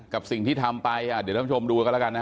กับสิ่งที่ทำไปเดี๋ยวเราชมดูกันละกันนะฮะ